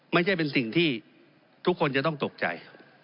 ไม่ใช่เป็นสิ่งที่ทุกคนจะต้องตกใจ